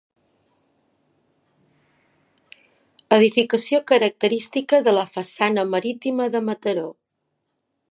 Edificació característica de la façana marítima de Mataró.